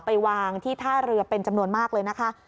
ไปวางที่ท่าเรือเป็นจำนวนมากเลยนะคะ